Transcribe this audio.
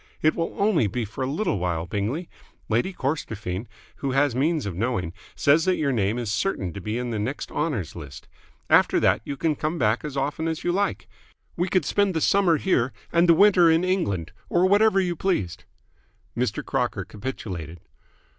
"It will only be for a little while, Bingley. Lady Corstorphine, who has means of knowing, says that your name is certain to be in the next Honours List. After that you can come back as often as you like. We could spend the summer here and the winter in England, or whatever you pleased." Mr. Crocker capitulated.